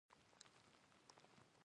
چيري ستاه به دکوهي په غاړه لار شي